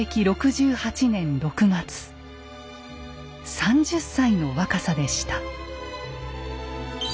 ３０歳の若さでした。